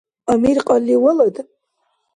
Амир кьалли валад?